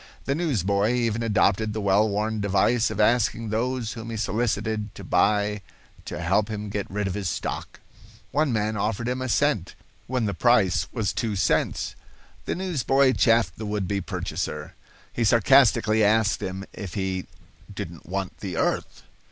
The newsboy even adopted the well worn device of asking those whom he solicited to buy to help him get rid of his stock. One man offered him a cent, when the price was two cents. The newsboy chaffed the would be purchaser. He sarcastically asked him if he "didn't want the earth."